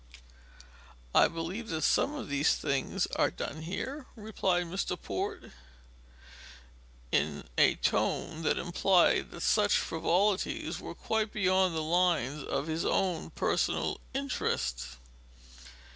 "I believe that some of these things are done here," replied Mr. Port, in a tone that implied that such frivolities were quite beyond the lines of his own personal interests.